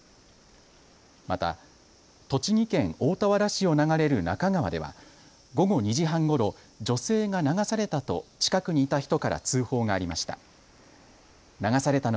また栃木県大田原市を流れる那珂川では午後２時半ごろ女性が流されたと近くにいた人から通報がありました。